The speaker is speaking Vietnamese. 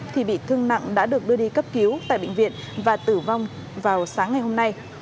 thì bị thương nặng đã được đưa đi cấp cứu tại bệnh viện và tử vong vào sáng ngày hôm nay